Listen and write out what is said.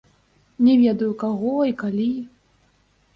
Не ведаю, каго і калі.